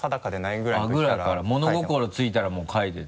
ぐらいから物心ついたらもう描いてた。